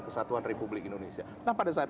kesatuan republik indonesia nah pada saat